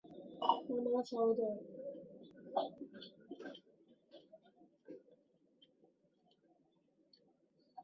加里宁格勒州的气候已由海洋性气候向温带大陆性气候逐渐过渡。